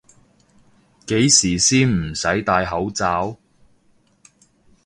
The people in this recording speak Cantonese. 幾時先唔使戴口罩？